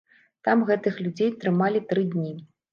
Там гэтых людзей трымалі тры дні.